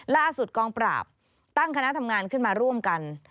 ล่าสุดกองปราบตั้งคณะทำงานขึ้นมาร่วมกัน